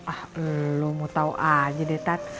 ah lu mau tau aja detak